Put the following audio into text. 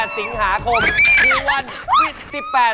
๑๘สิงหาคมคือวัน